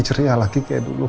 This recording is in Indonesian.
ceria lagi kayak dulu